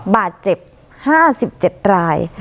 บาดเจ็บ๕๗ราย